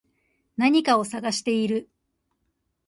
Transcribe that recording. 何かを探している